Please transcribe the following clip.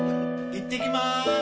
行ってきまーす！